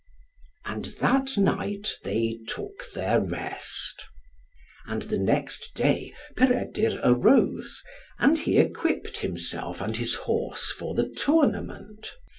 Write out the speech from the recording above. And that night they took their rest. And the next day Peredur arose, and he equipped himself and his horse for the tournament.